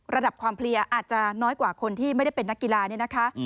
ระดับความเพลียอาจจะน้อยกว่าคนที่ไม่ได้เป็นนักกีฬาเนี่ยนะคะ